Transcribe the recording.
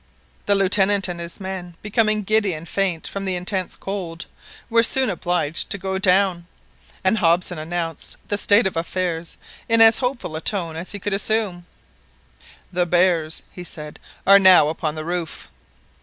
The Lieutenant and his men, becoming giddy and faint from the intense cold, were soon obliged to go down, and Hobson announced the state of affairs in as hopeful a tone as he could assume. "The bears," he said, "are now upon the roof.